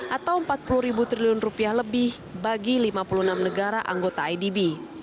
atau empat puluh triliun rupiah lebih bagi lima puluh enam negara anggota idb